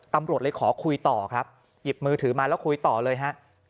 ตำรวจเลยขอคุยต่อครับหยิบมือถือมาแล้วคุยต่อเลยฮะ